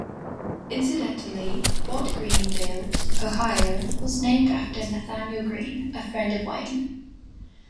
Incidentally, Fort Greene Ville, Ohio, was named after Nathaniel Greene, a friend of Wayne.